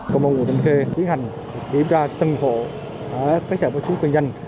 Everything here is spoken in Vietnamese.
công an quận thanh khê tiến hành kiểm tra tân hộ ở các sở sản xuất kinh doanh